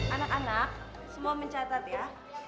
anak anak semua mencatat ya